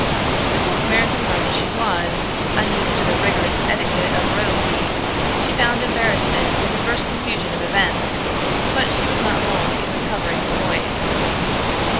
Simple American girl that she was, unused to the rigorous etiquette of royalty, she found embarrassment in the first confusion of events, but she was not long in recovering her poise.